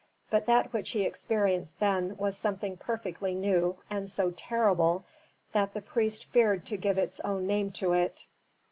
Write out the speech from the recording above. But that which he experienced then was something perfectly new and so terrible that the priest feared to give its own name to it.